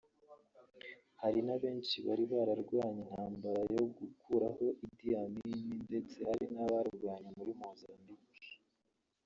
Hari na benshi bari bararwanye intambara yo gukuraho Idi Amin ndetse hari n’abarwanye muri Mozambique